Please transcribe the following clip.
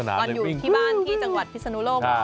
กว่าอยู่ที่บ้านที่จังหวัดพิษนุโลกว่ะ